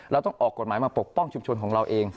เราต้องออกกฎหมายมาปกป้องชุมชนของเราเอง